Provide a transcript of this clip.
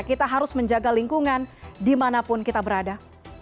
kita harus menjaga lingkungan dimanapun kita berada